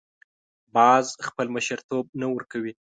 باز خپل مشرتوب نه ورکوي